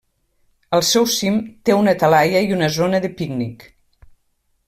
Al seu cim té una talaia i una zona de pícnic.